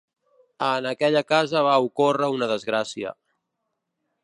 En aquella casa va ocórrer una desgràcia.